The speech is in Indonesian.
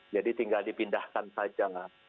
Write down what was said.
jadi tinggal dipindahkan saja